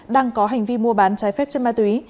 đang có hành vi mua bán trái phép chất ma túy